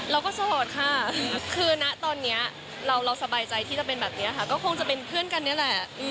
โสดค่ะคือนะตอนนี้เราสบายใจที่จะเป็นแบบนี้ค่ะก็คงจะเป็นเพื่อนกันนี่แหละ